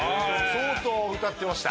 相当歌ってました